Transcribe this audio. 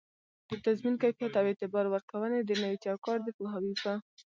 د تضمین کیفیت او اعتبار ورکووني د نوي چوکات د پوهاوي په